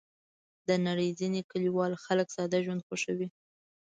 د نړۍ ځینې کلیوال خلک ساده ژوند خوښوي.